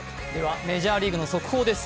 メジャーリーグの速報です。